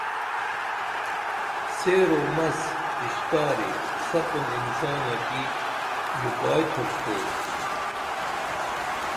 سیرومس اشتاری سپُں انسانہ کی ژوپائی تھوپ تو